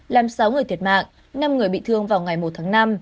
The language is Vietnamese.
làm sáu người thiệt mạng năm người bị thương vào ngày một tháng năm